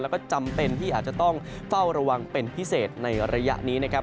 แล้วก็จำเป็นที่อาจจะต้องเฝ้าระวังเป็นพิเศษในระยะนี้นะครับ